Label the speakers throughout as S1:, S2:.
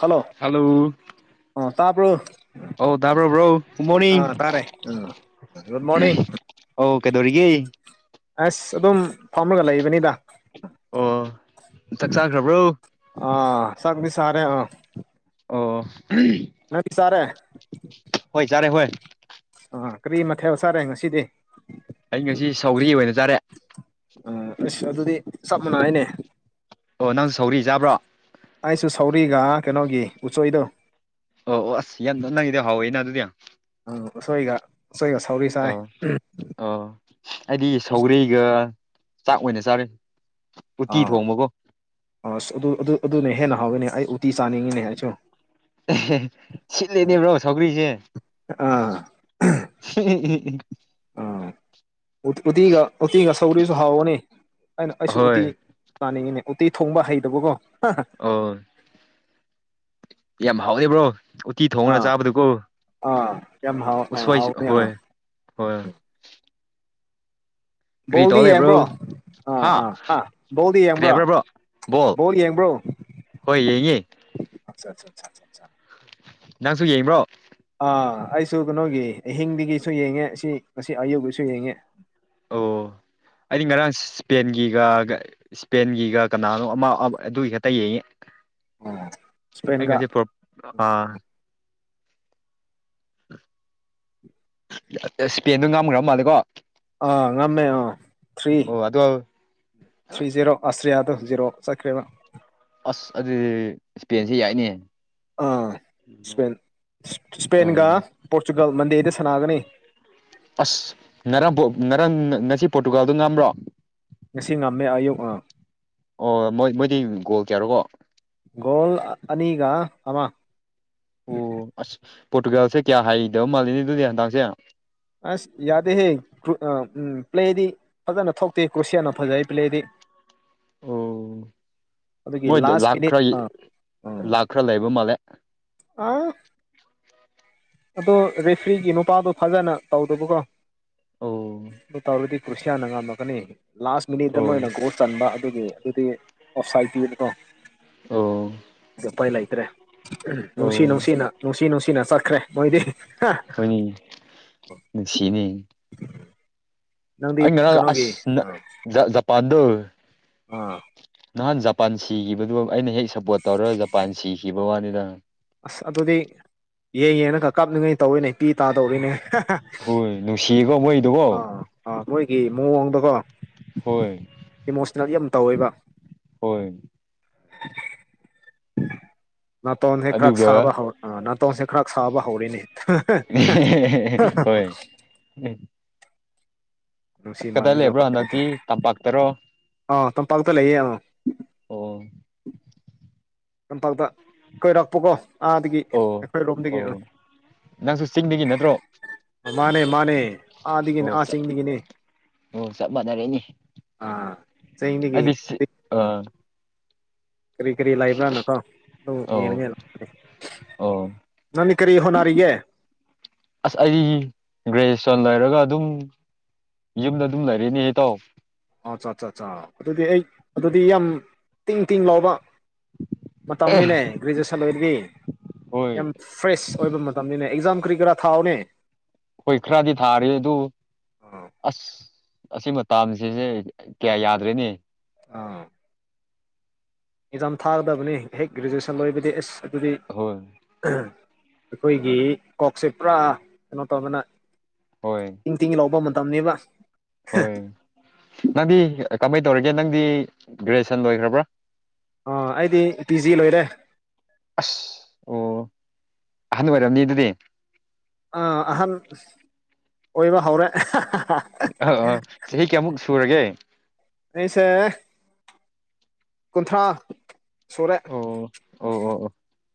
S1: Hello
S2: hello
S1: ꯑꯥ ꯇꯥꯕꯔꯣ
S2: ꯑꯣ ꯇꯥꯕ꯭ꯔꯣ ꯕ꯭ꯔꯣ ꯒꯨꯠ ꯃꯣꯔꯅꯤꯡ
S1: ꯇꯥꯔꯦ ꯎꯝ ꯒꯨꯗ ꯃꯣꯔꯅꯤꯡ
S2: ꯑꯧ ꯀꯩꯗꯧꯔꯤꯒꯦ
S1: ꯑꯁ ꯑꯗꯨꯝ ꯐꯝꯔꯒ ꯂꯩꯕꯅꯤꯗ
S2: ꯑꯣ ꯆꯥꯛ ꯆꯥꯈ꯭ꯔꯕ꯭ꯔꯣ
S1: ꯑꯥ ꯁꯛꯗꯤ ꯁꯥꯔꯦ ꯑ
S2: ꯑꯣ
S1: ꯅꯪ ꯆꯥꯔꯦ
S2: ꯍꯣꯏ ꯆꯥꯔꯦ ꯍꯣꯏ
S1: ꯑ ꯀꯔꯤ ꯃꯊꯦꯜ ꯆꯥꯔꯦ ꯉꯁꯤꯗꯤ
S2: ꯑꯩ ꯉꯁꯤ ꯁꯧꯔꯤ ꯑꯣꯏꯅ ꯆꯥꯔꯦ
S1: ꯑꯥ ꯑꯁ ꯑꯗꯨꯗꯤ ꯆꯞ ꯃꯥꯟꯅꯩꯅꯦ
S2: ꯑꯣ ꯅꯪꯁꯨ ꯁꯧꯒꯔꯤ ꯆꯥꯕ꯭ꯔꯣ
S1: ꯑꯩꯁꯨ ꯁꯧꯔꯤꯒ ꯀꯩꯅꯣꯒꯤ ꯎꯠꯆꯣꯏꯗꯣ
S2: ꯑꯣ ꯑꯣ ꯑꯁ ꯌꯥꯝ ꯅꯪꯉꯗꯤ ꯍꯥꯎꯋꯦꯅ ꯑꯗꯨꯗꯤ
S1: ꯑ ꯎꯁꯣꯏ ꯒ ꯎꯁꯣꯏꯒ ꯁꯧꯒꯔꯤ
S2: ꯑꯥ ꯑꯥ ꯍꯥꯏꯗꯤ
S1: ꯍꯧꯖꯤꯛ
S2: ꯁꯧꯔꯤꯒ ꯆꯥꯛ ꯑꯣꯏꯅ ꯆꯥꯔ
S1: ꯑꯥ ꯑꯁ ꯑꯗꯨ ꯑꯗꯨ ꯑꯗꯨꯅꯦ ꯍꯦꯟꯅ ꯍꯥꯎꯋꯤꯅꯦ ꯑꯩ ꯎꯇꯤ ꯆꯥꯅꯤꯡꯉꯤꯅꯦ ꯑꯩꯁꯨ
S2: ꯁꯤꯠꯂꯦꯅꯦꯕ꯭ꯔꯣ ꯁꯧꯒ꯭ꯔꯤꯁꯦ
S1: ꯑꯥ
S2: [unintelligible]
S1: ꯑ ꯎꯇꯤꯒ ꯎꯇꯤꯒ ꯁꯧꯔꯤꯁꯨ ꯍꯥꯎꯋꯅꯤ ꯑꯩꯅ ꯑꯩꯁꯨ ꯎꯇꯤ
S2: ꯑꯍꯣꯏ
S1: ꯄꯥꯅꯤꯡꯉꯤꯅꯦ ꯎꯇꯤ ꯊꯣꯡꯕ ꯍꯩꯇꯕꯀꯣ
S2: ꯑꯣ ꯌꯥꯝ ꯍꯥꯎꯋꯦ ꯕ꯭ꯔꯣ ꯎꯇꯤ ꯊꯣꯡꯉꯅ ꯆꯥꯕꯗꯨꯀꯣ
S1: ꯑ ꯌꯥꯝ ꯍꯥꯎ ꯑꯥ
S2: ꯎꯁꯣꯏꯁꯨ
S1: ꯍꯥꯎꯕꯅꯦ ꯑꯥ
S2: ꯍꯣꯏ ꯍꯣꯏ ꯀꯔꯤ ꯇꯧ
S1: ꯕꯣꯜꯗꯤ ꯌꯦꯡꯕ꯭ꯔꯣ
S2: ꯂꯩꯕ꯭ꯔꯣ
S1: ꯑꯥ
S2: ꯍꯥ
S1: ꯑꯥ ꯑꯥ ꯕꯣꯜꯗꯤ
S2: ꯀꯔꯤ
S1: ꯌꯦꯡꯕ꯭ꯔꯣ
S2: ꯍꯥꯏꯕ꯭ꯔꯥ ꯕ꯭ꯔꯣ
S1: ꯕꯣꯜ ꯌꯦꯡꯕ꯭ꯔꯣ
S2: ꯍꯣꯏ ꯌꯦꯡꯉꯦ
S1: ꯑꯠꯁꯥ ꯁꯥ ꯁꯥ [unintelligible]
S2: ꯅꯪꯁꯨ ꯌꯦꯡꯕꯔꯣ
S1: ꯑꯥ ꯑꯩꯁꯨ ꯀꯩꯅꯣꯒꯤ ꯑꯍꯤꯡꯗꯒꯤꯁꯨ ꯌꯦꯡꯉꯦ ꯁꯤ ꯉꯁꯤ ꯑꯌꯨꯀꯤꯁꯨ ꯌꯦꯡꯉꯦ
S2: ꯑꯣ ꯑꯩꯩꯗꯤ ꯉꯔꯥꯡ ꯏꯁꯄꯦꯟꯒꯤꯒꯥ ꯒꯥ ꯏꯁꯄꯦꯟꯒꯤꯒ ꯀꯅꯥꯅꯣ ꯑꯃ [unintelligible] ꯑꯗꯨꯒꯤ ꯈꯛꯇ ꯌꯦꯡꯉꯤ
S1: ꯑꯣ
S2: ꯑꯩ
S1: ꯏꯁꯄꯦꯟꯒ
S2: ꯉꯁꯤ ꯄꯣꯔꯛ ꯑꯥ ꯏꯁꯄꯦꯟꯗꯣ ꯉꯝꯈꯥꯔ ꯃꯥꯜꯂꯦꯀꯣ
S1: ꯑꯥ ꯉꯝꯃꯦ ꯑꯥ ꯊ꯭ꯔꯤ
S2: ꯑꯣ ꯑꯗꯣ
S1: ꯊ꯭ꯔꯤ ꯖꯦꯔꯣ ꯑꯁꯇ꯭ꯔꯤꯌꯥꯗꯣ ꯖꯤꯔꯣ ꯆꯠꯈ꯭ꯔꯦꯕ
S2: ꯑꯥꯁ ꯑꯗꯨꯗꯤ ꯏꯁꯄꯦꯟꯁꯦ ꯌꯥꯏꯅꯦ
S1: ꯑꯥ ꯏꯁꯄꯦꯟ ꯏꯁꯄꯦꯟꯒ
S2: ꯎꯝ
S1: ꯄꯣꯔꯆꯨꯒꯜꯒ ꯃꯟꯗꯦꯗ ꯁꯥꯟꯅꯒꯅꯤ꯫
S2: ꯑꯁ ꯉꯔꯥꯡꯕꯨ ꯉꯔꯥꯡ ꯉꯁꯤ ꯄꯣꯔꯇꯨꯒꯥꯜꯗꯣ ꯉꯝꯕꯔꯣ
S1: ꯉꯁꯤ ꯉꯝꯃꯦ ꯑꯌꯨꯛ ꯑꯥ
S2: ꯑꯣ ꯃꯣꯏ ꯃꯣꯏꯗꯤ ꯒꯣꯜ ꯀꯌꯥꯔꯣꯀꯣ
S1: ꯒꯣꯜ ꯑꯅꯤꯒ ꯑꯃ
S2: ꯑꯣ ꯑꯁ ꯄꯣꯔꯇꯨꯒꯥꯜꯁꯦ ꯀꯌꯥ ꯍꯩꯇꯕ ꯃꯥꯜꯂꯤꯅꯦ ꯑꯗꯨꯗꯤ ꯍꯟꯇꯥꯛꯁꯦ
S1: ꯑꯁ ꯌꯥꯗꯦꯍꯦ [unintelligible] ꯄ꯭ꯂꯦꯗꯤ ꯐꯖꯅ ꯊꯣꯛꯇꯦꯀꯣ ꯁꯤꯌꯥꯅ ꯐꯖꯩ ꯄ꯭ꯂꯦꯗꯤ
S2: ꯑꯣ
S1: ꯑꯗꯨꯒꯤ
S2: ꯃꯣꯏꯗꯣ
S1: ꯂꯥꯁ
S2: ꯂꯥꯛ
S1: ꯃꯤꯅꯤꯠ
S2: ꯈꯔ
S1: ꯑꯥ
S2: ꯂꯥꯛ ꯈꯔ ꯂꯩꯕ ꯃꯥꯜꯂꯦ
S1: ꯑꯥ ꯑꯗꯣ ꯔꯦꯐ꯭ꯔꯤꯒꯤ ꯅꯨꯄꯥꯗꯣ ꯐꯥꯖꯅ ꯇꯧꯗꯕꯀꯣ
S2: ꯑꯣ
S1: ꯑꯗꯨ ꯇꯧꯔꯗꯤ [unintelligible] ꯉꯝꯃꯛꯀꯅꯤ ꯂꯥꯁ ꯃꯤꯅꯤꯠꯗ
S2: ꯑꯣ
S1: ꯃꯣꯏꯅ ꯒꯣꯜ ꯆꯟꯕ ꯑꯗꯨꯒꯤꯅꯤ ꯑꯗꯨꯗꯤ ꯑꯣꯞꯁꯥꯏꯠ ꯆꯤꯡꯗ꯭ꯔꯣ
S2: ꯑꯣ
S1: ꯎꯄꯥꯏ ꯂꯩꯇ꯭ꯔꯦ ꯎꯝ ꯅꯨꯡꯁꯤ
S2: ꯑꯣ
S1: ꯅꯨꯡꯁꯤꯅ ꯅꯨꯡꯁꯤ ꯅꯨꯡꯁꯤꯅ ꯆꯠꯈ꯭ꯔꯦ ꯃꯣꯏꯗꯤ
S2: ꯎꯪ ꯅꯨꯡꯁꯤꯅꯤ
S1: ꯅꯪꯗꯤ
S2: ꯑꯩ ꯉꯔꯥꯡ ꯑꯁ
S1: ꯀꯩꯅꯣꯒꯤ
S2: ꯅꯥ
S1: ꯑꯥ
S2: ꯖꯥ ꯖꯄꯥꯟꯗꯨ
S1: ꯑꯥ
S2: ꯅꯍꯥꯟ ꯖꯄꯥꯟ ꯁꯤꯈꯤꯕꯗꯨ ꯑꯩꯅ ꯍꯦꯛ ꯁꯞꯄꯣꯔꯠ ꯇꯧꯔꯒ ꯖꯄꯥꯟ ꯁꯤꯈꯤꯕ ꯋꯥꯅꯤꯗ
S1: ꯑꯁ ꯑꯗꯨꯗꯤ ꯌꯦꯡ ꯌꯦꯡꯅꯒ ꯀꯞꯅꯤꯡꯉꯥꯏ ꯇꯧꯋꯤꯅꯦ ꯄꯤ ꯇꯥꯗꯧꯔꯤꯅꯦ
S2: ꯍꯣꯏ ꯅꯨꯡꯁꯤꯌꯦꯀꯣ ꯃꯣꯏꯗꯨꯀꯣ
S1: ꯑꯥ ꯑꯥ ꯃꯣꯏꯒꯤ ꯃꯑꯣꯡꯗꯣꯀꯣ
S2: ꯍꯣꯏ
S1: ꯏꯃꯣꯁꯅꯦꯜ ꯌꯥꯝ ꯇꯧꯋꯦꯕꯥ
S2: ꯍꯣꯏ
S1: ꯅꯥꯇꯣꯟꯁꯦ ꯀ꯭ꯔꯛ
S2: ꯑꯗꯨꯒ
S1: ꯁꯥꯕ ꯍꯧ ꯑꯥ ꯅꯥꯇꯣꯟꯁꯦ ꯈꯔ ꯁꯥꯕ ꯍꯧꯔꯦꯅꯦ
S2: ꯎꯝ
S1: ꯅꯨꯡꯁꯤ
S2: ꯀꯗꯥꯏ
S1: ꯃꯟꯕꯒꯤ
S2: ꯂꯩꯕ꯭ꯔ
S1: ꯎꯄꯥꯏ ꯂꯩꯇꯦ
S2: ꯍꯟꯗꯛꯇꯤ ꯇꯝꯄꯥꯛꯇꯔꯣ
S1: ꯑꯥ ꯇꯝꯄꯥꯛꯇ ꯂꯩꯌꯦ ꯑꯣ
S2: ꯑꯣ
S1: ꯀꯝꯄꯥꯛꯇ ꯀꯣꯏꯔꯛꯄꯀꯣ ꯑꯥꯗꯒꯤ
S2: ꯑꯣ
S1: ꯑꯩꯈꯣꯏꯔꯣꯝꯗꯒꯤ ꯑꯥ
S2: ꯑꯣ ꯅꯪꯁꯨ ꯆꯤꯡꯗꯒꯤ ꯅꯠꯇ꯭ꯔꯣ
S1: ꯃꯥꯅꯦ ꯃꯥꯅꯦ ꯑꯥꯗꯒꯤꯅꯦ
S2: ꯑꯣ
S1: ꯑꯥ
S2: ꯆ-
S1: ꯆꯤꯡꯗꯒꯤꯅꯦ
S2: ꯑꯣ ꯆꯞ ꯃꯥꯟꯅꯥꯔꯦꯅꯦ
S1: ꯑꯥ ꯆꯤꯡꯗꯒꯤ
S2: ꯑꯥ
S1: ꯀꯔꯤ ꯀꯔꯤ ꯂꯩꯕ꯭ꯔꯥꯅ ꯀꯣ ꯑꯗꯨ ꯌꯦꯡꯅꯤꯡꯉꯥꯏ
S2: ꯑꯣ
S1: ꯅꯪꯗꯤ ꯀꯔꯤ ꯍꯣꯠꯅꯔꯤꯒꯦ
S2: ꯑꯁ ꯑꯩ ꯒ꯭ꯔꯦꯖꯨꯌꯦꯁꯟ ꯂꯣꯏꯔꯒ ꯑꯗꯨꯝ ꯌꯨꯝꯗ ꯑꯗꯨꯝ ꯂꯩꯔꯦꯅꯦ ꯏꯇꯥꯎ
S1: ꯑꯥꯆꯥꯆꯆꯥ ꯑꯗꯨꯗꯤ ꯑꯩ ꯑꯗꯨꯗꯤ ꯌꯥꯝ ꯇꯤꯡ ꯇꯤꯡ ꯂꯥꯎꯕ ꯃꯇꯝꯅꯤꯅꯦ ꯒ꯭ꯔꯦꯖꯨꯑꯦꯁꯟ ꯂꯣꯏꯕꯗꯤ
S2: ꯍꯣꯏ
S1: ꯌꯥꯝ ꯐ꯭ꯔꯦꯁ ꯑꯣꯏꯕ ꯃꯇꯝꯅꯤꯅꯦ ꯑꯦꯛꯖꯥꯝ ꯀꯔꯤ ꯀꯔꯥ ꯊꯥꯎꯑꯣꯅꯦ
S2: ꯍꯣꯏ ꯈꯔꯗꯤ ꯊꯥꯔꯤ ꯑꯗꯨ
S1: ꯑꯥ
S2: ꯑꯁ ꯑꯁꯤ ꯃꯇꯥꯝꯁꯤꯁꯦ ꯀꯌꯥ ꯌꯥꯗ꯭ꯔꯦꯅꯦ
S1: ꯑꯥ ꯑꯦꯛꯖꯥꯝ ꯊꯥꯒꯗꯕꯅꯤ ꯍꯦꯛ ꯒ꯭ꯔꯦꯖꯨꯋꯦꯁꯟ ꯂꯣꯏꯕꯗꯤ ꯑꯦꯁ ꯑꯗꯨꯗꯤ
S2: ꯍꯣꯏ
S1: ꯑꯩꯈꯣꯏꯒꯤ ꯀꯣꯛꯁꯦ ꯄꯨꯔꯥ ꯀꯩꯅꯣ ꯇꯧꯗꯅ
S2: ꯍꯣꯏ
S1: ꯇꯤꯡ ꯇꯤꯡ ꯂꯥꯎꯕ ꯃꯇꯝꯅꯦꯕ
S2: ꯍꯣꯏ ꯅꯪꯗꯤ ꯀꯃꯥꯏꯅ ꯇꯧꯔꯤꯒꯦ ꯅꯪꯗꯤ ꯒ꯭ꯔꯦꯖꯨꯌꯦꯁꯟ ꯂꯣꯏꯈ꯭ꯔꯕ꯭ꯔꯥ
S1: ꯑ ꯑꯩꯗꯤ ꯄꯤ ꯖꯤ ꯂꯣꯏꯔꯦ
S2: ꯑꯁ ꯑꯣ ꯑꯍꯟ ꯑꯣꯏꯔꯝꯅꯤ ꯑꯗꯨꯗꯤ
S1: ꯑꯥ ꯑꯍꯟ ꯑꯣꯏꯕ ꯍꯧꯔꯦ
S2: ꯑ ꯑ ꯆꯍꯤ ꯀꯌꯥꯃꯨꯛ ꯁꯨꯔꯒꯦ
S1: ꯑꯩꯁꯦ ꯀꯨꯟꯊ꯭ꯔꯥ ꯁꯨꯔꯦ
S2: ꯑꯣ ꯑꯣ ꯑꯣ ꯑꯣ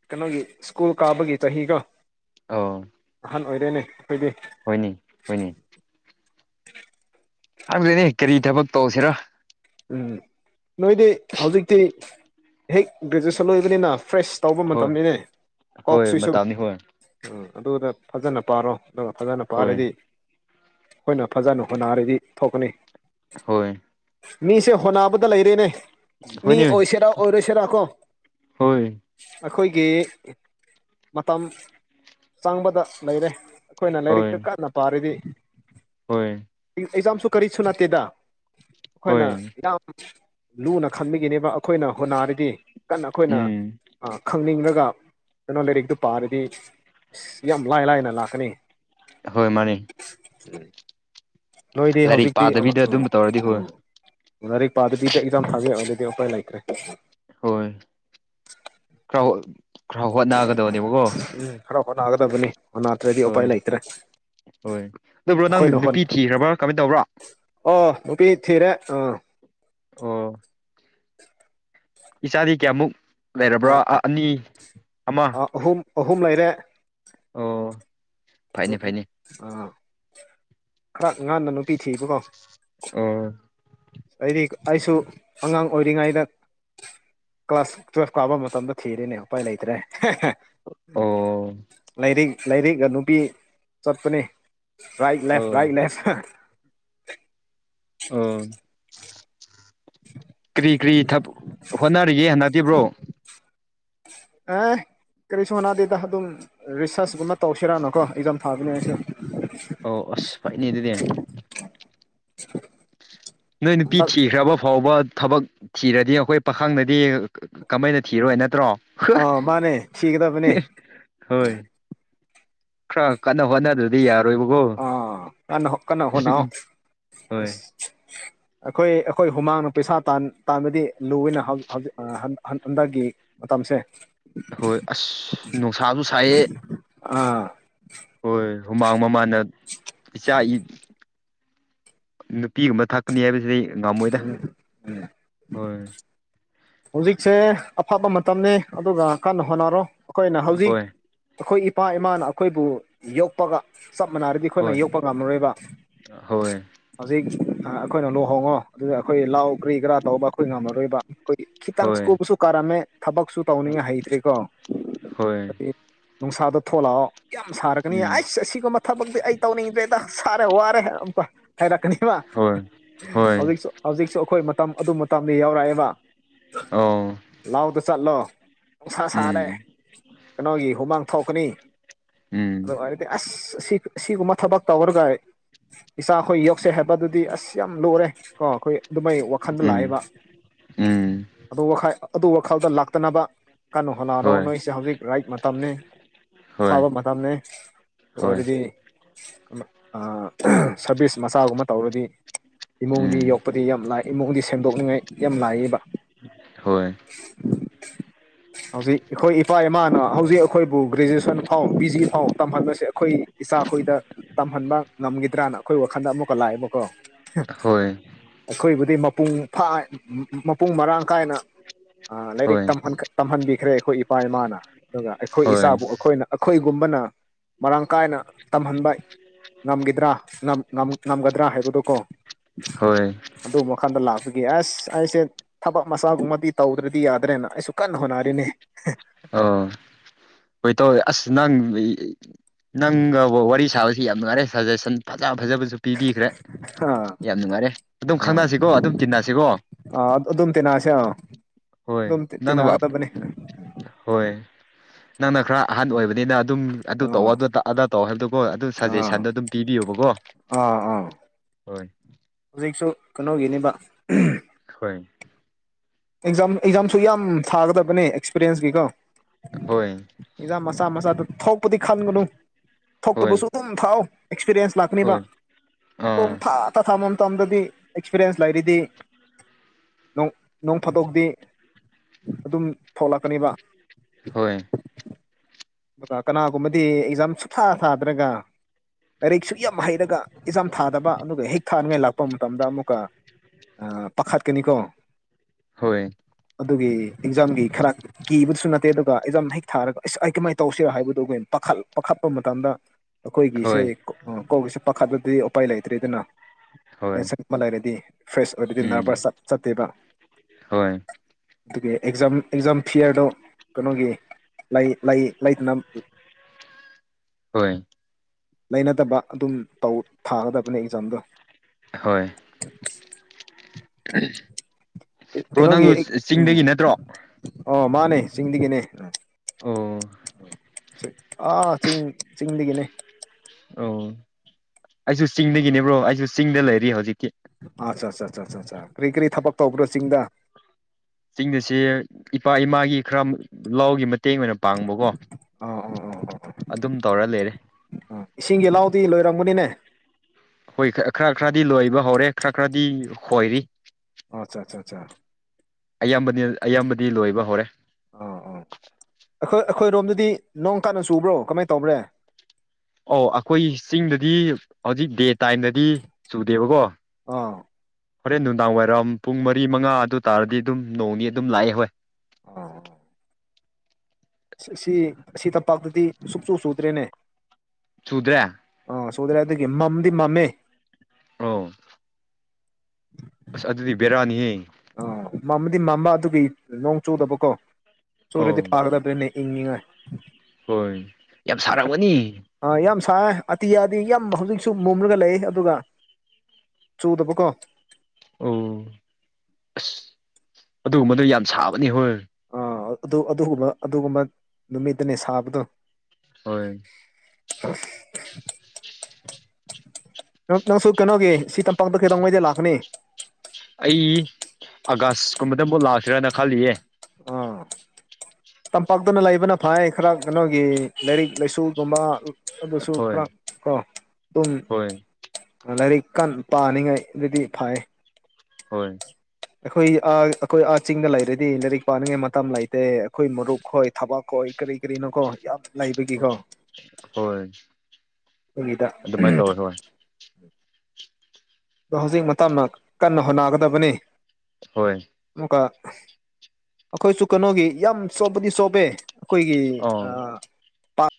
S1: ꯀꯩꯅꯣꯒꯤ ꯁ꯭ꯀꯨꯜ ꯀꯥꯕꯒꯤ ꯆꯍꯤꯗ‌ꯣ
S2: ꯑꯣ
S1: ꯑꯍꯟ ꯑꯣꯏꯔꯦꯅꯦ ꯑꯩꯈꯣꯏꯗꯤ
S2: ꯍꯣꯏꯅꯦ ꯍꯣꯏꯅꯦ ꯈꯪꯗꯦꯅ‌ꯦ ꯀꯔꯤ ꯊꯕꯛ ꯇꯧꯁꯤꯔꯥ
S1: ꯎꯝ ꯅꯣꯏꯗꯤ ꯍꯧꯖꯤꯛꯇꯤ ꯍꯦꯛ ꯒ꯭ꯔꯦꯖꯨꯌꯦꯁꯟ ꯂꯣꯏꯕꯅꯤꯅ ꯐ꯭ꯔꯦꯁ ꯇꯧꯕ
S2: ꯍꯣꯏ
S1: ꯃꯇꯝꯅꯤꯅꯦ
S2: ꯍꯣꯏ
S1: ꯀꯣꯛꯁꯤꯁꯨ
S2: ꯃꯇꯝꯅꯤ ꯍꯣꯏ
S1: ꯎꯝ ꯑꯗꯨꯗ ꯐꯖꯅ ꯄꯥꯔꯣ ꯑꯗꯨꯒ ꯐꯖꯅ
S2: ꯍꯣꯏ
S1: ꯄꯥꯔꯗꯤ ꯑꯩꯈꯣꯏꯅ ꯐꯖꯅ ꯍꯣꯠꯅꯔꯗꯤ ꯊꯣꯛꯀꯅꯤ
S2: ꯍꯣꯏ
S1: ꯃꯤꯁꯦ ꯍꯣꯠꯅꯕꯗ ꯂꯩꯔꯦꯅꯦ ꯃꯤ
S2: ꯍꯣꯏꯅꯦ
S1: ꯑꯣꯏꯁꯤꯔꯥ ꯑꯣꯏꯔꯣꯏꯁꯤꯔꯥ ꯀꯣ
S2: ꯍꯣꯏ
S1: ꯑꯩꯈꯣꯏꯒꯤ ꯃꯇꯝ ꯆꯪꯕꯗ ꯂꯩꯔꯦ ꯑꯩꯈꯣꯏꯅ
S2: ꯍꯣꯏ
S1: ꯂꯥꯏꯔꯤꯛꯇ ꯀꯟꯅ ꯄꯥꯔꯗꯤ
S2: ꯍꯣꯏ
S1: ꯑꯦꯛꯖꯥꯝꯁꯨ ꯀꯔꯤꯁꯨ ꯅꯠꯇꯦꯗ ꯑꯩꯈꯣꯏꯅ
S2: ꯍꯣꯏ
S1: ꯌꯥꯝ ꯂꯨꯅ ꯈꯟꯕꯒꯤꯅꯦꯕ ꯑꯩꯈꯣꯏꯅ ꯍ‌ꯣꯠꯅꯔꯗꯤ ꯀꯟꯅ ꯑꯩꯈꯣꯏꯅ
S2: ꯎꯝ
S1: ꯑ ꯐꯪꯅꯤꯡꯉꯒ ꯀꯩꯅꯣ ꯂꯥꯏꯔꯤꯛꯇꯨ ꯄꯥꯔꯗꯤ ꯑꯁ ꯌꯥꯝ ꯂꯥꯏ ꯂꯥꯏꯅ ꯂꯥꯛꯀꯅꯤ
S2: ꯍꯣꯏ ꯃꯥꯅꯦ
S1: ꯎꯝ ꯅꯣꯏꯗꯤ
S2: ꯂꯥꯏꯔꯤꯛ
S1: ꯍꯧꯖꯤꯛꯇꯤ ꯑꯪ
S2: ꯄꯥꯗꯕꯤꯗ
S1: ꯎꯝ
S2: ꯑꯗꯨꯝ ꯇꯧꯔꯗꯤ ꯍꯣꯏ
S1: ꯎꯝ ꯂꯥꯏꯔꯤꯛ ꯄꯥꯗꯕꯤꯗ ꯑꯦꯛꯖꯥꯝ ꯊꯥꯕ ꯌꯥꯗ꯭‌ꯔꯗꯤ ꯎꯄꯥꯏ ꯂꯩꯇ‌ꯦ
S2: ꯍꯣꯏ ꯈꯔ ꯈꯔ ꯍꯣꯠꯅꯒꯗꯕꯅꯦꯕꯀꯣ
S1: ꯎꯝ ꯈꯔ ꯍꯣꯠꯅꯒꯗꯕꯅꯤ ꯍ‌ꯣꯠꯅꯗ꯭ꯔꯗꯤ ꯎꯄꯥꯏ
S2: ꯍꯣꯏ
S1: ꯂꯩꯇ꯭ꯔꯦ
S2: ꯍꯣꯏ ꯑꯗꯨ ꯕ꯭ꯔꯣ ꯅꯪ
S1: ꯃꯈꯣꯏꯅ ꯍꯣꯠ
S2: ꯅꯨꯄꯤ ꯊꯤꯈ꯭ꯔꯕ꯭ꯔꯥ ꯀꯃꯥꯏꯅ ꯇꯧꯕ꯭ꯔꯥ
S1: ꯑꯣ ꯅꯨꯄꯤ ꯊꯤꯔꯦ ꯑ
S2: ꯑꯣ ꯏꯆꯥꯗꯤ ꯀꯌꯥꯃꯨꯛ ꯂꯩꯔꯕ꯭ꯔꯥ ꯑꯅꯤ ꯑꯃ
S1: ꯑꯍꯨꯝ ꯑꯍꯨꯝ ꯂꯩꯔꯦ
S2: ꯑꯣ ꯐꯩꯅꯦ ꯐꯩꯅꯦ
S1: ꯑꯥ ꯈꯔ ꯉꯟꯅ ꯅꯨꯄꯤ ꯊꯤꯕꯀꯣ
S2: ꯑꯣ
S1: ꯑꯩꯗꯤ ꯑꯩꯁꯨ ꯑꯉꯥꯡ ꯑꯣꯏꯔꯤꯉꯩꯗ ꯀ꯭ꯂꯥꯁ ꯇꯨꯋꯦꯜꯐ ꯀꯥꯕ ꯃꯇꯝꯗ ꯊꯤꯔꯤꯅꯦ ꯎꯄꯥꯏ ꯂꯩꯇ꯭ꯔꯦ ꯍꯥ ꯍꯥ
S2: ꯑꯣ
S1: ꯂꯥꯏꯔꯤꯛ ꯂꯥꯏꯔꯤꯛ ꯅꯨꯄꯤ ꯆꯠꯄꯅꯤ ꯔꯥꯏꯠ ꯂꯥꯏꯐ
S2: ꯑꯣ
S1: ꯔꯥꯏꯠ ꯂꯥꯏꯐ
S2: ꯑꯥ ꯀꯔꯤ ꯀꯔꯤ ꯊꯥ ꯍꯣꯠꯅꯔꯤꯒꯦ ꯍꯟꯅꯗꯔ꯭ꯤꯕꯣ
S1: ꯑꯦ ꯀꯔꯤꯁꯨ ꯍꯣꯠꯅꯥꯗꯦꯗ ꯑꯗꯨꯝ ꯔꯤꯁꯔꯁꯀꯨꯝꯕ ꯇꯧꯁꯤꯔꯅꯨꯀꯣ ꯑꯦꯛꯖꯝ ꯊꯥꯕꯤꯅꯤ ꯑꯩꯁꯨ
S2: ꯑꯣ ꯑꯁ ꯐꯩꯅꯦ ꯑꯗꯨꯗꯤ ꯅꯣꯏ ꯅꯨꯄꯤ
S1: ꯍꯟꯗꯛ
S2: ꯊꯤꯈ꯭ꯔꯕ ꯐꯥꯎꯕ ꯊꯕꯛ ꯊꯤꯔꯗꯤ ꯑꯩꯈꯣꯏ ꯄꯥꯈꯪꯗꯗꯤ ꯀꯃꯥꯏꯅ ꯊꯤꯔꯣꯏ ꯅꯠꯇ꯭ꯔꯣ
S1: ꯑ ꯃꯥꯅꯦ ꯊꯤꯒꯗꯕꯅꯦ
S2: ꯍꯣꯏ ꯈꯔ ꯀꯟꯅ ꯍꯣꯠꯅ ꯗꯨ ꯗꯤ ꯌꯥꯔꯣꯏꯕꯀꯣ
S1: ꯑꯥ ꯀꯟꯅ ꯀꯟꯅ ꯍꯣꯠꯅꯧ
S2: ꯍꯣꯏ
S1: ꯑꯩꯈꯣꯏ ꯑꯩꯈꯣꯏ ꯍꯨꯃꯥꯡꯅ ꯄꯩꯁꯥ ꯇꯥꯟꯕꯗꯤ ꯂꯨ ꯑꯣꯏꯅ ꯍꯧꯖꯤꯛ ꯍꯟꯗꯛꯀꯤ ꯃꯇꯝꯁꯦ
S2: ꯍꯣꯏ ꯑꯁ ꯅꯨꯡꯁꯥꯁꯨ ꯁꯥꯏꯌꯦ
S1: ꯑꯥ
S2: ꯍꯣꯏ ꯍꯨꯃꯥꯡ ꯃꯃꯥꯟꯅ ꯏꯆꯥꯏ ꯅꯨꯄꯤꯒꯨꯝꯕ ꯊꯛꯀꯅꯤ ꯍꯥꯏꯕꯁꯤꯗꯤ ꯑꯩ ꯉꯝꯃꯣꯏꯗ
S1: ꯎꯝ ꯎꯝ
S2: ꯍꯣꯏ
S1: ꯍꯧꯖꯤꯛꯁꯦ ꯑꯐꯕ ꯃꯇꯝꯅꯤ ꯑꯗꯨꯒ ꯀꯟꯅ ꯍꯣꯠꯅꯔꯣ ꯑꯩꯈꯣꯏꯅ ꯍꯧꯖꯤꯛ
S2: ꯍꯣꯏ
S1: ꯑꯩꯈꯣꯏ ꯏꯄꯥ ꯏꯃꯥꯅ ꯑꯩꯈꯣꯏꯕꯨ ꯌꯣꯛꯄꯒ ꯆꯞ ꯃꯥꯟꯅꯔꯗꯤ ꯑꯩꯈꯣꯏꯅ
S2: ꯍꯣꯏ
S1: ꯌꯣꯛꯄ ꯉꯝꯃꯔꯣꯏꯕ
S2: ꯍꯣꯏ
S1: ꯍꯧꯖꯤꯛ ꯑꯩꯈꯣꯏꯅ ꯂꯨꯍꯣꯡꯉꯣ ꯑꯗꯨꯗ ꯑꯩꯈꯣꯏ ꯂꯥꯎ ꯀ꯭ꯔꯤ ꯀꯔꯥ ꯇꯧꯕ ꯑꯩꯈꯣꯏ ꯉꯝꯃꯔꯣꯏꯕ ꯑꯩꯈꯣꯏ ꯈꯤꯇꯪ
S2: ꯍꯣꯏ
S1: ꯁꯀꯨꯕꯁꯨ ꯀꯥꯔꯝꯃꯦ ꯊꯕꯛꯁꯨ ꯇꯧꯅꯤꯡꯉꯥꯏ ꯍꯩꯇ꯭ꯔꯤꯀꯣ
S2: ꯍꯣꯏ
S1: ꯅꯨꯡꯁꯥꯗ ꯊꯣꯛꯂꯛꯑꯣ ꯌꯥꯝ ꯁꯥꯔꯒꯅꯤ
S2: ꯎꯝ
S1: ꯑꯩꯁ ꯑꯁꯤꯒꯨꯝ ꯊꯕꯛꯇꯤ ꯑꯩ ꯇꯧꯅꯤꯡꯗ꯭ꯔꯦꯗ ꯁꯥꯔꯦ ꯋꯥꯔꯦ ꯍꯥꯏꯔꯛꯀꯅꯤꯕ
S2: ꯍꯣꯏ ꯍꯣꯏ
S1: ꯍꯧꯖꯤꯛꯁꯨ ꯍꯧꯖꯤꯛꯁꯨ ꯑꯩꯈꯣꯏ ꯃꯇꯝ ꯑꯗꯨ ꯃꯇꯝꯗ ꯌꯥꯎꯔꯛꯑꯦꯕ
S2: ꯑꯣ
S1: ꯂꯥꯎꯗ ꯆꯠꯂꯣ ꯅꯨꯡꯁꯥ ꯁꯥꯔꯦ
S2: ꯎꯝ
S1: ꯀꯩꯅꯣꯒꯤ ꯍꯨꯃꯥꯡ ꯊꯣꯛꯀꯅꯤ
S2: ꯎꯝ
S1: ꯑ ꯍꯥꯏꯗꯤ ꯑꯁ ꯁꯤ ꯁꯤꯒꯨꯝꯕ ꯊꯕꯛ ꯇꯧꯈꯔꯒꯥꯏ ꯏꯆꯥ ꯑꯩꯈꯣꯏ ꯌꯣꯛꯁꯦ ꯍꯥꯏꯕ ꯑꯗꯨꯗꯤ ꯑꯁ ꯌꯥꯝ ꯂꯨꯔꯦ ꯀꯣ ꯑꯩꯈꯣꯏ ꯑꯗꯨꯃꯥꯏ ꯋꯥꯈꯜꯗ
S2: ꯎꯝ
S1: ꯂꯥꯛꯑꯦꯕ
S2: ꯎꯝ
S1: ꯑꯗꯨ ꯋꯥ ꯑꯗꯨ ꯋꯥꯈꯜꯗ ꯂꯥꯛꯇꯅꯕ ꯀꯟꯅ ꯍꯣꯠꯅꯔꯣ
S2: ꯍꯣꯏ
S1: ꯅꯣꯏꯁꯦ ꯍꯧꯖꯤꯛ ꯔꯥꯏꯠ ꯃꯇꯝꯅꯤ
S2: ꯍꯣꯏ
S1: ꯑꯐꯕ ꯃꯇꯝꯅꯤꯅꯦ
S2: ꯍꯣꯏ
S1: ꯑꯣꯏꯔꯗꯤ ꯁꯔꯚꯤꯁ ꯃꯆꯥꯒꯨꯝꯕ ꯇꯧꯔꯗꯤ ꯏꯃꯨꯡꯗꯤ
S2: ꯎꯝ
S1: ꯌꯣꯛꯄꯗꯤ ꯌꯥꯝ ꯂꯥꯏ ꯏꯃꯨꯡꯗꯤ ꯁꯦꯝꯗꯣꯛꯅꯤꯡꯉꯥꯏ ꯌꯥꯝ ꯂꯥꯛꯌꯦꯕ
S2: ꯍꯣꯏ
S1: ꯍꯧꯖꯤꯛ ꯑꯩꯈꯣꯏ ꯏꯄꯥ ꯏꯃꯥꯅ ꯍꯧꯖꯤꯛ ꯑꯩꯈꯣꯏꯕꯨ ꯒ꯭ꯔꯦꯖꯨꯑꯦꯁꯟ ꯐꯥꯎ ꯄꯤ ꯖꯤ ꯐꯥꯎ ꯇꯝꯍꯟꯕꯁꯦ ꯑꯩꯈꯣꯏ ꯏꯆꯥꯈꯣꯏꯗ ꯇꯝꯍꯟꯕ ꯉꯝꯈꯤꯗ꯭ꯔꯅ ꯑꯩꯈꯣꯏ ꯋꯥꯈꯟꯗ ꯑꯃꯨꯛꯀ ꯂꯥꯛꯑꯦꯕꯀꯣ
S2: ꯍꯣꯏ
S1: ꯑꯩꯈꯣꯏꯕꯨꯗꯤ ꯃꯄꯨꯡ ꯐꯥ ꯃꯄꯨꯡ ꯃꯔꯥꯡ ꯀꯥꯏꯅ ꯑ ꯂꯥꯏꯔꯤꯛ
S2: ꯍꯣꯏ
S1: ꯇꯝꯍꯟ ꯇꯝꯍꯟꯕꯤꯈ꯭ꯔꯦ ꯑꯩꯈꯣꯏ ꯏꯄꯥ ꯏꯃꯥꯅ ꯑꯗꯨꯒ ꯑꯩꯈꯣꯏ
S2: ꯍꯣꯏ
S1: ꯏꯁꯥꯕꯨ ꯑꯩꯈꯣꯏꯅ ꯑꯩꯈꯣꯏꯒꯨꯝꯕꯅ ꯃꯔꯥꯡ ꯀꯥꯏꯅ ꯇꯝꯍꯟꯕ ꯉꯝꯈꯤꯗ꯭ꯔꯥ ꯉꯝꯒꯗ꯭ꯔꯥ ꯍꯥꯏꯕꯗꯨ ꯀꯣ
S2: ꯍꯣꯏ
S1: ꯑꯗꯨ ꯋꯥꯈꯟꯗ ꯂꯥꯛꯄꯒꯤ ꯑꯁ ꯑꯩꯁꯦ ꯃꯁꯥꯒꯨꯝꯕꯗꯤ ꯇꯧꯗ꯭ꯔꯗꯤ ꯌꯥꯗ꯭ꯔꯦꯅ ꯑꯩꯁꯨ ꯀꯟꯅ ꯍꯣꯠꯅꯔꯤꯅꯦ
S2: ꯑꯣ ꯍꯣꯏ ꯇꯧꯋꯦ ꯑꯁ ꯅꯪ ꯅꯪꯒ ꯋꯥꯔꯤ ꯁꯥꯕꯁꯤ ꯌꯥꯝ ꯅꯨꯡꯉꯥꯏꯔꯦ ꯁꯖꯦꯁꯟ ꯐꯖ ꯐꯖꯕꯁꯨ ꯄꯤꯕꯤꯈ꯭ꯔꯦ
S1: ꯑꯥ
S2: ꯌꯥꯝ ꯅꯨꯡꯉꯥꯏꯔꯦ ꯑꯗꯨꯝ ꯈꯪꯅꯁꯤꯀꯣ ꯑꯗꯨꯝ ꯇꯤꯟꯅꯁꯤꯀꯣ
S1: ꯑꯥ ꯑꯗꯨꯝ ꯇꯤꯟꯅꯁꯦ ꯑꯥ
S2: ꯍꯣꯏ
S1: ꯑꯗꯨꯝ
S2: ꯅꯪꯅꯕꯨ
S1: ꯇꯤꯟꯅꯒꯗꯕꯅꯤ
S2: ꯍꯣꯏ ꯅꯪꯅ ꯈ꯭ꯔ ꯑꯍꯟ ꯑꯣꯏꯕꯅꯤꯅ ꯑꯗꯨꯝ ꯑꯗꯨ ꯇꯧ
S1: ꯑꯥ
S2: ꯑꯗꯨ ꯑꯗꯥ ꯇꯧ ꯍꯥꯏꯕꯗꯨꯀꯣ ꯑꯗꯨ
S1: ꯑꯥ
S2: ꯁꯖꯦꯁꯟꯗꯣ ꯑꯗꯨꯝ ꯄꯤꯕꯤꯌꯣꯕꯀꯣ ꯍꯣꯏ
S1: ꯍꯨꯖꯤꯛꯁꯨ ꯀꯅꯣꯒꯤꯅꯦꯕ
S2: ꯍꯣꯏ
S1: ꯑꯦꯛꯖꯥꯝ ꯑꯦꯛꯖꯥꯝꯁꯨ ꯌꯥꯝ ꯁꯥꯒꯗꯕꯅꯦ ꯑꯦꯛꯁꯄꯔꯦꯟꯁꯒꯤꯀꯣ
S2: ꯍꯣꯏ
S1: ꯍꯖꯥ ꯃꯆꯥ ꯃꯆꯥꯗꯣ ꯊꯣꯛꯄꯗꯤ ꯈꯟꯒꯅꯨ
S2: ꯍꯣꯏ
S1: ꯊꯣꯛꯇꯕꯁꯨ ꯑꯗꯨꯝ ꯊꯥꯎ ꯑꯦꯛꯁꯄꯔꯤꯌꯦꯟꯁ ꯂꯥꯛꯀꯅꯤꯕ
S2: ꯍꯣꯏ ꯑꯥ
S1: ꯄꯨꯡꯊꯥ ꯊꯝꯕ ꯃꯇꯝꯗꯗꯤ ꯑꯦꯛꯁꯄꯔꯤꯌꯦꯟꯁ ꯂꯩꯔꯤꯗꯤ ꯅꯣꯡ ꯇꯛ ꯅꯣꯡꯐꯥꯗꯣꯛꯗꯤ ꯑꯗꯨꯝ ꯊꯣꯛꯂꯛꯀꯅꯤꯕ
S2: ꯍꯣꯏ
S1: ꯕꯇꯥ ꯀꯅꯥꯒꯨꯝꯕꯗꯤ ꯑꯦꯛꯖꯥꯝ ꯁꯨꯊꯥ ꯊꯥꯗ꯭ꯔꯒ ꯂꯥꯏꯔꯤꯛ ꯁꯨꯛ ꯌꯥꯝ ꯍꯩꯔꯒ ꯑꯦꯛꯖꯥꯝ ꯊꯥꯗꯕ ꯑꯗꯨꯒ ꯍꯦꯛ ꯊꯥꯅꯤꯡꯉꯥꯏ ꯂꯥꯛꯄ ꯃꯇꯝꯗ ꯑꯃꯨꯛꯀ ꯑ ꯄꯥꯈꯠꯀꯅꯤꯀꯣ
S2: ꯍꯣꯏ
S1: ꯑꯗꯨꯒꯤ ꯑꯦꯛꯖꯥꯝꯒꯤ ꯈꯔ ꯀꯤꯕꯗꯨꯁꯨ ꯅꯠꯇꯦ ꯑꯗꯨꯒ ꯑꯦꯛꯖꯥꯝ ꯍꯦꯛ ꯊꯥꯔꯒ ꯑ ꯀꯃꯥꯏ ꯇꯧꯁꯤꯔ ꯍꯥꯏꯕꯗꯨ ꯒ꯭ꯋꯦꯟ ꯄꯥꯈꯠ ꯄꯥꯈꯠꯄ ꯃꯇꯝꯗ ꯑꯈꯣꯏꯒꯤꯁꯦ
S2: ꯍꯣꯏ
S1: ꯑꯣ ꯀꯧꯒꯤꯁꯦ ꯄꯥꯈꯠꯂꯗꯤ ꯎꯄꯥꯏ ꯂꯩꯇ꯭ꯔꯦꯗꯅ
S2: ꯍꯣꯏ
S1: ꯇꯦꯟꯁꯟ ꯑꯃ ꯂꯩꯔꯗꯤ ꯐ꯭ꯔꯦꯁ ꯑꯣꯏꯕꯗꯤ
S2: ꯎꯝ
S1: ꯅꯔꯚꯁ ꯆꯠꯇꯦꯕ
S2: ꯍꯣꯏ
S1: ꯑꯗꯨꯒꯤ ꯑꯦꯛꯖꯥꯝ ꯑꯦꯛꯖꯥꯝ ꯐꯤꯌꯔꯗꯣ ꯀꯅꯣꯒꯤ ꯂꯩ ꯂꯩ ꯂꯥꯏꯇ꯭ꯅꯝ
S2: ꯍꯣꯏ
S1: ꯂꯩꯅꯗꯕ ꯑꯗꯨꯝ ꯇꯧ ꯊꯥꯒꯗꯕꯅꯦ ꯑꯦꯛꯖꯥꯝꯗꯣ
S2: ꯍꯣꯏ [unintelligible] ꯕ꯭ꯔꯣ
S1: ꯀꯩꯅꯣꯒꯤ
S2: ꯅꯪꯁꯨ
S1: ꯑꯦꯛ ꯎꯝ
S2: ꯆꯤꯡꯗꯒꯤ ꯅꯠꯇ꯭ꯔꯣ
S1: ꯑꯣ ꯃꯥꯅꯦ ꯆꯤꯡꯗꯒꯤꯅꯦ
S2: ꯑꯣ
S1: ꯑꯥ ꯆꯤꯡ ꯆꯤꯡꯗꯒꯤꯅꯦ
S2: ꯑꯣ ꯑꯩꯁꯨ ꯆꯤꯡꯗꯒꯤꯅꯦ ꯕ꯭ꯔꯣ ꯑꯩꯁꯨ ꯆꯤꯡꯗ ꯂꯩꯔꯤ ꯍꯧꯖꯤꯛꯇꯤ
S1: ꯑꯆꯥꯆꯥꯆꯥꯆꯥꯆꯥꯆꯥ ꯀ꯭ꯔꯤ ꯀ꯭ꯔꯤ ꯊꯕꯛ ꯇꯧꯕ꯭ꯔꯥ ꯆꯤꯡꯗ
S2: ꯆꯤꯡꯗꯁꯦ ꯏꯄꯥ ꯏꯃꯥꯒꯤ ꯈꯔ ꯂꯧꯒꯤ ꯃꯇꯦꯡ ꯑꯣꯏꯅ ꯄꯥꯡꯕꯀꯣ
S1: ꯑꯥ ꯑꯥ ꯑꯥ ꯑꯥ
S2: ꯑꯗꯨꯝ ꯇꯧꯔ ꯂꯩꯔꯦ
S1: ꯏꯁꯤꯡꯒꯤ ꯂꯥꯎꯗꯤ ꯂꯣꯏꯔꯝꯒꯅꯤꯅꯦ
S2: ꯍꯣꯏ ꯈꯔ ꯈꯔꯗꯤ ꯂꯣꯏꯕ ꯍꯧꯔꯦ ꯈꯔ ꯈꯔꯗꯤ ꯈꯣꯏꯔꯤ
S1: ꯑꯣꯆꯥꯆꯥꯆꯥ
S2: ꯑꯌꯥꯝꯕꯅꯦꯜ ꯑꯌꯥꯝꯕꯗꯤ ꯂꯣꯏꯕ ꯍꯧꯔꯦ
S1: ꯑꯥ ꯑꯥ ꯑꯈꯣꯏ ꯑꯈꯣꯏ ꯔꯣꯝꯗꯗꯤ ꯅꯣꯡ ꯀꯥꯟꯅ ꯆꯨꯕ꯭ꯔꯣ ꯀꯃꯥꯏꯅ ꯇꯧꯕ꯭ꯔꯦ
S2: ꯑꯣ ꯑꯈꯣꯏ ꯆꯤꯡꯗꯗꯤ ꯍꯧꯖꯤꯛ ꯗꯦ ꯇꯥꯏꯝꯗꯗꯤ ꯆꯨꯗꯦꯕꯀꯣ
S1: ꯑꯥ
S2: ꯍꯣꯔꯦꯟ ꯅꯨꯡꯗꯥꯡ ꯋꯥꯏꯔꯝ ꯄꯨꯡ ꯃꯔꯤ ꯃꯉꯥ ꯑꯗꯨ ꯇꯥꯔꯗꯤ ꯑꯗꯨꯝ ꯅꯣꯡꯅꯤ ꯑꯗꯨꯝ ꯂꯥꯛꯑꯦ ꯍꯣꯏ
S1: [unintelligible] ꯁꯤ ꯁꯤ ꯁꯤ ꯇꯝꯄꯥꯛꯇꯗꯤ ꯁꯨꯛꯁꯨꯨ ꯆꯨꯗ꯭ꯔꯦꯅꯦ
S2: ꯆꯨꯗ꯭ꯔꯦ
S1: ꯑꯧ ꯆꯨꯗ꯭ꯔꯦ ꯑꯗꯒꯤ ꯃꯝꯗꯤ ꯃꯝꯃꯦ
S2: ꯑꯧ ꯑꯁ ꯑꯗꯨꯗꯤ ꯕꯦꯔꯥꯅꯤꯍꯦ
S1: ꯑꯥ ꯃꯝꯕꯗꯤ ꯃꯝꯕ ꯑꯗꯨꯒꯤ ꯅꯣꯡ ꯆꯨꯗꯕꯀꯣ
S2: ꯑꯧ
S1: ꯆꯨꯔꯗꯤ ꯐꯥꯒꯗꯕꯅꯦ ꯏꯪꯅꯤꯉꯥꯏ
S2: ꯍꯣꯏ ꯌꯥꯝ ꯁꯥꯔꯝꯒꯅꯤ
S1: ꯑꯥ ꯌꯥꯝ ꯁꯥꯏ ꯑꯇꯤꯌꯥꯗꯤ ꯌꯥꯝ ꯍꯧꯖꯤꯛꯁꯨ ꯃꯨꯝꯔꯒ ꯂꯩ ꯑꯗꯨꯒ ꯆꯨꯗꯕꯀꯣ
S2: ꯑꯧ ꯑꯁ ꯑꯗꯨꯒꯨꯝꯕꯗꯨ ꯌꯥꯝ ꯁꯥꯕꯅꯤ ꯍꯣꯏ
S1: ꯑꯥ ꯑꯗꯨ ꯑꯗꯨꯒꯨꯝꯕ ꯑꯗꯨꯒꯨꯝꯕ ꯅꯨꯃꯤꯠꯇꯅꯦ ꯁꯥꯕꯗꯣ
S2: ꯍꯣꯏ
S1: [inaudible] ꯅꯪ ꯅꯪꯁꯨ ꯀꯩꯅꯣꯒꯤ ꯁꯤ ꯇꯝꯄꯥꯛꯇ ꯀꯩꯗꯧꯉꯩꯗꯩ ꯂꯥꯛꯀꯅꯤ
S2: ꯑꯩ ꯑꯥꯒꯁꯀꯨꯝꯕꯗ ꯑꯃꯨꯛ ꯂꯥꯛꯁꯤꯔꯥꯅ ꯈꯜꯂꯤꯌꯦ
S1: ꯑꯥ ꯇꯝꯄꯥꯛꯇꯅ ꯂꯩꯕꯅ ꯐꯩ ꯈꯔ ꯀꯩꯅꯣꯒꯤ ꯂꯥꯏꯔꯤꯛ ꯂꯥꯏꯁꯨꯒꯨꯝꯕ ꯑꯗꯨꯁꯨ
S2: ꯍꯣꯏ
S1: ꯈꯔ ꯀꯣ ꯑꯗꯨꯝ
S2: ꯍꯣꯏ
S1: ꯂꯥꯏꯔꯤꯛ ꯀꯟ ꯄꯥꯅꯤꯡꯉꯥꯏ ꯑꯗꯨꯗꯤ ꯐꯩ
S2: ꯍꯣꯏ
S1: ꯑꯩꯈꯣꯏ ꯑꯥ ꯑꯩꯈꯣꯏ ꯑꯥ ꯆꯤꯡꯗ ꯂꯩꯔꯗꯤ ꯂꯥꯏꯔꯤꯛ ꯄꯥꯅꯤꯡꯉꯥꯏ ꯃꯇꯝ ꯂꯩꯇꯦ ꯑꯩꯈꯣꯏ ꯃꯔꯨꯞ ꯈꯣꯏ ꯊꯕꯛ ꯈꯣꯏ ꯀꯔꯤ ꯀꯔꯤꯅꯣꯀꯣ ꯌꯥꯝ ꯂꯩꯕꯒꯤꯀꯣ
S2: ꯍꯣꯏ
S1: ꯈꯣꯏꯒꯤꯗ
S2: ꯑꯗꯨꯃꯥꯏꯅ
S1: ꯎꯝ
S2: ꯇꯧꯋꯦ ꯍꯣꯏ
S1: ꯑꯗꯣ ꯍꯧꯖꯤꯛ ꯃꯇꯝ ꯃꯛ ꯀꯟꯅ ꯍꯣꯠꯅꯒꯗꯕꯅꯤ
S2: ꯍꯣꯏ
S1: ꯑꯃꯨꯛꯀ ꯑꯈꯣꯏꯁꯨ ꯀꯩꯅꯣꯒꯤ ꯌꯥꯝ ꯆꯣꯞꯄꯗꯤ ꯆꯣꯞꯄꯦ ꯑꯈꯣꯏꯒꯤ
S2: ꯑꯥ
S1: ꯑꯣ